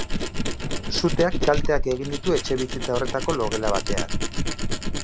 Suteak kalteak egin ditu etxebizitza horretako logela batean.